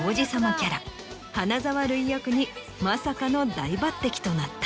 キャラ花沢類役にまさかの大抜擢となった。